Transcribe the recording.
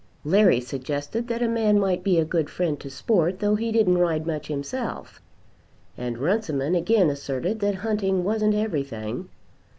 Larry suggested that a man might be a good friend to sport though he didn't ride much himself; and Runciman again asserted that hunting wasn't everything.